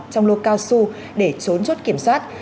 trong lô cao su để trốn chốt kiểm soát